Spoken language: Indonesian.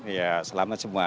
ya selamat semua